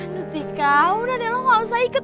aduh tika udah nek lo nggak usah ikut